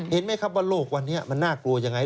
เห็นไหมครับว่าโลกวันนี้มันน่ากลัวยังไง